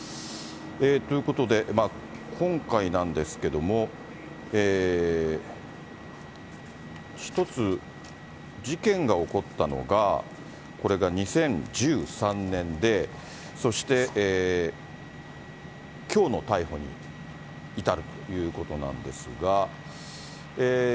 ということで、今回なんですけども、一つ、事件が起こったのが、これが２０１３年で、そしてきょうの逮捕に至るということなんですが。